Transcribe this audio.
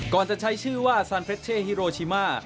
จะใช้ชื่อว่าซานเฟรชเช่ฮิโรชิมา